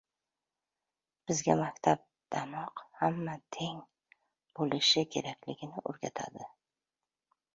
Bizga maktabdanoq hamma teng bo‘lishi kerakligini uqtirishadi.